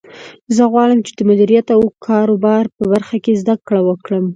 زه غواړم چې د مدیریت او کاروبار په برخه کې زده کړه وکړم